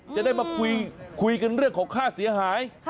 จะได้มาคุยกันเรื่องของค่าเสียหาย